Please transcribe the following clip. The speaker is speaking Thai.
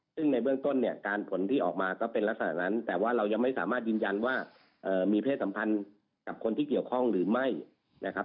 ซึ่งในเบื้องต้นเนี่ยการผลที่ออกมาก็เป็นลักษณะนั้นแต่ว่าเรายังไม่สามารถยืนยันว่ามีเพศสัมพันธ์กับคนที่เกี่ยวข้องหรือไม่นะครับ